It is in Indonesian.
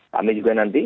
kami juga nanti